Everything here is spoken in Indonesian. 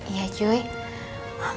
iya cuy makasih banyak ya